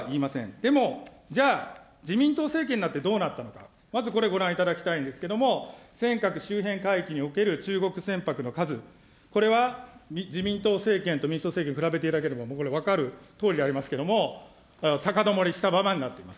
でも、じゃあ、自民党政権になってどうなったのか、まずこれ、ご覧いただきたいんですけども、尖閣周辺海域における中国船舶の数、これは自民党政権と民主党政権を比べていただければ分かるとおりでありますけれども、高止まりしたままになっています。